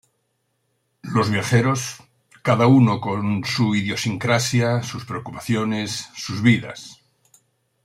Los viajeros; cada uno con su idiosincrasia, sus preocupaciones, sus vidas.